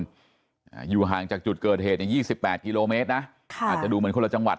เผ็ดชะบูนอยู่ห่างจากจุดเกิดเหตุ๒๘กิโลเมตรนะอาจจะดูเหมือนคนละจังหวัด